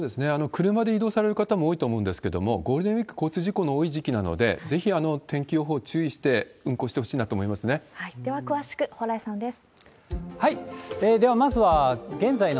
車で移動される方も多いと思うんですけれども、ゴールデンウィーク、交通事故の多い時期なので、ぜひ天気予報注意して、では詳しく、蓬莱さんです。